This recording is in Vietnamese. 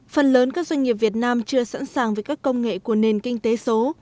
phần lớn các doanh nghiệp việt nam chưa sẵn sàng với các công nghệ của nền kinh tế số